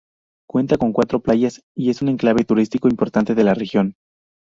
Cuenta con cuatro playas y es un enclave turístico importante de la región.